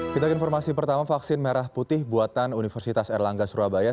kita ke informasi pertama vaksin merah putih buatan universitas erlangga surabaya